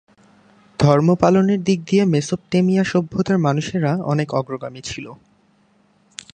ধর্ম পালনের দিক দিয়ে মেসোপটেমিয়া সভ্যতার মানুষেরা অনেক অগ্রগামী ছিলো।